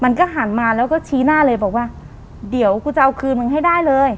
มันก็หันมาแล้วก็ชี้หน้าเลยบอกว่าเดี๋ยวกูจะเอาคืนมึงให้ได้เลย